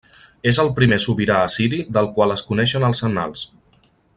És el primer sobirà assiri del qual es coneixen els annals.